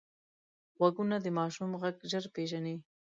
غوږونه د ماشوم غږ ژر پېژني